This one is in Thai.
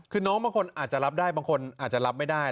คือน้องบางคนอาจจะรับได้บางคนอาจจะรับไม่ได้